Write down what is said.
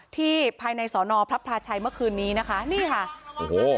ที่ภายในสอนอพระพลาชัยเมื่อคืนนี้นะคะนี่ค่ะโอ้โห